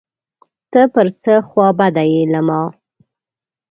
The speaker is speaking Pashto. ته پر څه خوابدی یې له ما